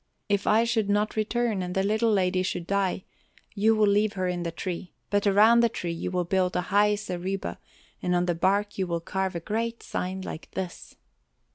If I should not return and the little lady should die, you will leave her in the tree, but around the tree you will build a high zareba and on the bark you will carve a great sign like this."